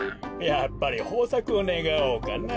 やっぱりほうさくをねがおうかな。